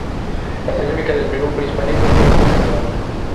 La cerámica del Perú prehispánico fue muy elaborada.